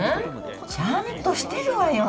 ちゃんとしてるわよ。